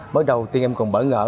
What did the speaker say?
mới đầu tiên em còn bỡ ngỡ